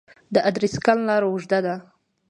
د ادرسکن لاره اوږده ده